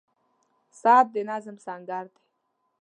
• ساعت د نظم سنګر دی.